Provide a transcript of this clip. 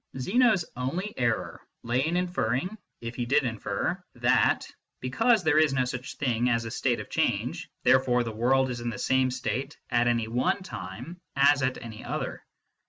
Zeno s only error lay in inferring (if he did infer) that, because there is no such thing as a state of change, therefore the world is in the same state at any one time as at any other.